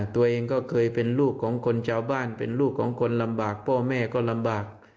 ตัวเองก็เคยเป็นลูกของคนชาวบ้านเป็นลูกของคนลำบากพ่อแม่ก็ลำบาก